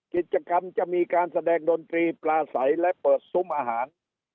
กิจกรรมจะมีการแสดงดนตรีปลาใสและเปิดซุ้มอาหาร